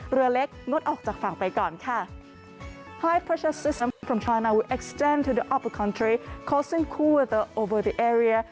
เรือเล็กงดออกจากฝั่งไปก่อนค่ะ